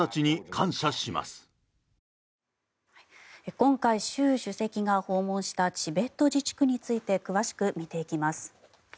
今回、習主席が訪問したチベット自治区について詳しく見ていきます。